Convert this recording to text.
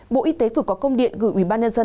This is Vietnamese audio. bộ y tế vừa có công điện gửi ubnd